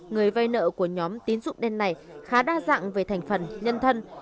người vay nợ của nhóm tín dụng đen này khá đa dạng về thành phần nhân thân